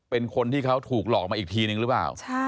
เป็นคนที่เขาถูกหลอกมาอีกทีนึงหรือเปล่า